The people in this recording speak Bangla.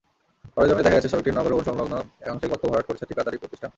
সরেজমিনে দেখা গেছে, সড়কটির নগর ভবনসংলগ্ন একাংশের গর্ত ভরাট করছে টিকাদারি প্রতিষ্ঠান।